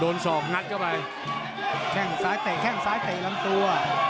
ศอกงัดเข้าไปแข้งซ้ายเตะแข้งซ้ายเตะลำตัว